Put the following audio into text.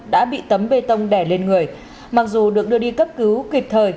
đã bị tấm bê tông đẻ lên người mặc dù được đưa đi cấp cứu kịp thời